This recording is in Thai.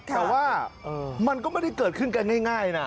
แต่ว่ามันก็ไม่ได้เกิดขึ้นกันง่ายนะ